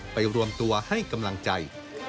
รวมตัวให้กำลังใจ